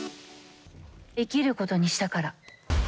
生きることにしたから。